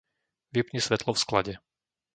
Vypni svetlo v sklade.